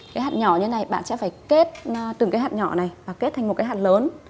cái hạt nhỏ như này bạn sẽ phải kết từng cái hạt nhỏ này và kết thành một cái hạt lớn